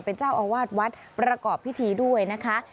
เป็นเจ้าอาวาสวัดประกอบพิธีด้วยนะคะ